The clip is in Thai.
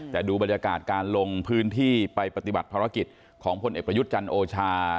แต่ดูบรรยากาศการลงพื้นที่ไปปฏิบัติภารกิจของพลเอกประยุทธ์จันทร์โอชา